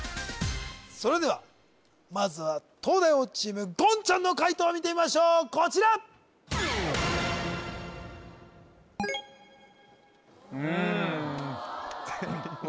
それではまずは東大王チーム言ちゃんの解答を見てみましょうこちらうんうわ